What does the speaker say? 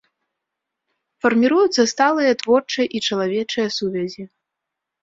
Фарміруюцца сталыя творчыя і чалавечыя сувязі.